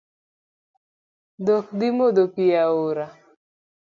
Dhok odhii modho pii e aora.